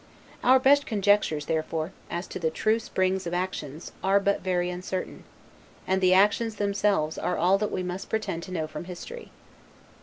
Our best conjectures, therefore, as to the true springs of actions, are but very uncertain; and the actions themselves are all that we must pretend to know from history.